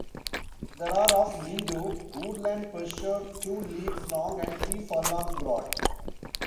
There are of meadow, woodland pasture two leagues long and three furlongs broad.